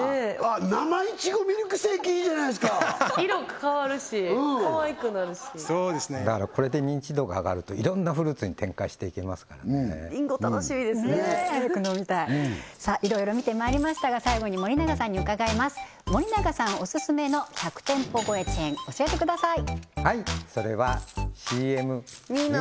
生いちごミルクセーキいいじゃないですか色が変わるしかわいくなるしそうですねだからこれで認知度が上がるといろんなフルーツに展開していけますからねりんご楽しみですねね早く飲みたいいろいろ見てまいりましたが最後に森永さんに伺います森永さんオススメの１００店舗超えチェーン教えてください